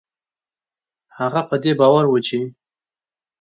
هغه په دې باور و چې